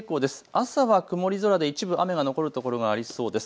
朝は曇り空で一部雨が残る所がありそうです。